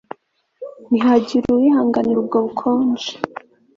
ntihagire uwihanganira ubwo bukonje